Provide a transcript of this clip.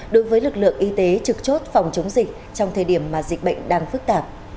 đối với lực lượng y tế trực chốt phòng chống dịch trong thời điểm mà dịch bệnh đang phức tạp